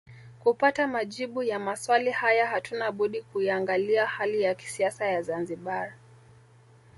Kupata majibu ya maswali haya hatuna budi kuiangalia hali ya kisiasa ya Zanzibar